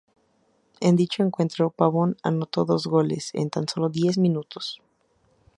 En dicho encuentro, Pavón anotó dos goles en tan solo diez minutos.